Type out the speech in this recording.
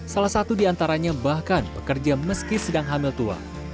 salah satu diantaranya bahkan pekerja meski sedang hamil tua